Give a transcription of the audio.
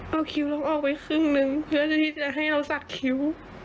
เอาคิ้วเราออกไปครึ่งนึงเพื่อที่จะให้เราสักคิ้ว